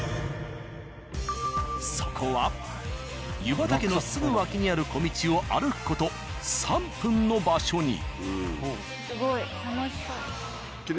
そこは湯畑のすぐ脇にある小道を歩く事３分の場所に。